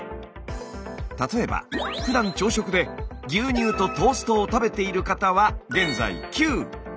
例えばふだん朝食で牛乳とトーストを食べている方は現在９。